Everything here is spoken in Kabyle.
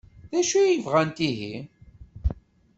D acu ay bɣant ihi?